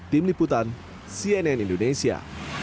tim liputan cnn indonesia